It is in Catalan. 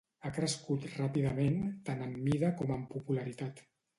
Ha crescut ràpidament, tant en mida com en popularitat.